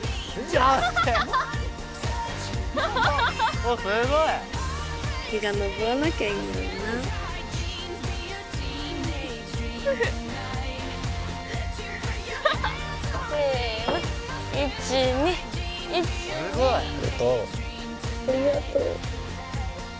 ありがとう。